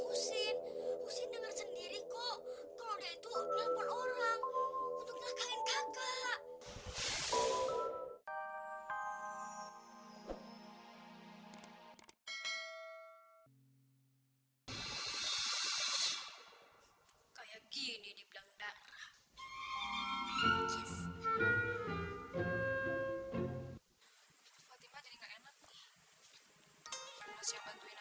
usin usin dengan sendiri kok kalau dia itu nelfon orang untuk nyelakain kakak kayak gini dibilang